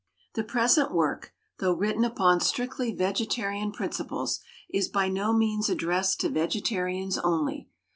The present work, though written upon strictly vegetarian principles, is by no means addressed to vegetarians only.